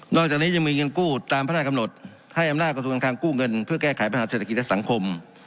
อกจากนี้ยังมีเงินกู้ตามพระราชกำหนดให้อำนาจกระทรวงการคังกู้เงินเพื่อแก้ไขปัญหาเศรษฐกิจและสังคม